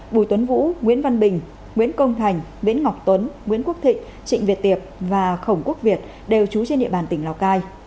bùi tuấn vũ nguyễn văn bình nguyễn công thành nguyễn ngọc tuấn nguyễn quốc thịnh trịnh việt tiệp và khổng quốc việt đều trú trên địa bàn tỉnh lào cai